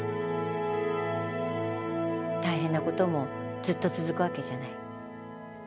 大変なこともずっと続くわけじゃない。